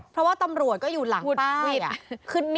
เพราะว่าตำรวจก็อยู่หลังป้าย